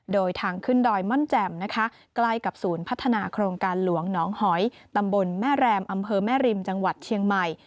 โดยทางขึ้นดอยม่อนแจ่มนะคะใกล้กับศูนย์พัฒนาโครงการหลวงหนองหอยตำบลแม่แรมอำเภอแม่ริมจังหวัดเชียงใหม่